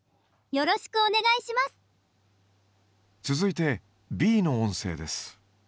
続いてＢの音声です。